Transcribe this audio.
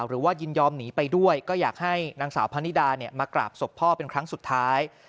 ยินยอมหนีไปด้วยก็อยากให้นางสาวพะนิดามากราบศพพ่อเป็นครั้งสุดท้าย